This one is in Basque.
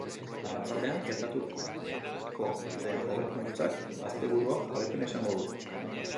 Arratsaldean gertatuko den hobekuntzak, asteburuan jarraipena izango du.